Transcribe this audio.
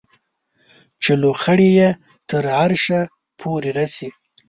چې لوخړې یې تر عرشه پورې رسي